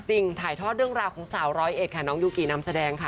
ถ่ายทอดเรื่องราวของสาวร้อยเอ็ดค่ะน้องยูกินำแสดงค่ะ